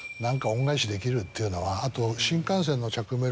あと。